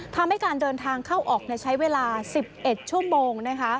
ทำให้การเดินทางเข้าออกใช้เวลา๑๑ชั่วโมง